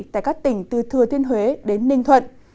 tại các tỉnh từ thừa thiên huế đến ninh thuận